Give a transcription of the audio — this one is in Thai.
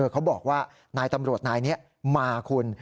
เขาบอกว่านายตำรวจนายนี้มาคุณ